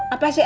apa sih emak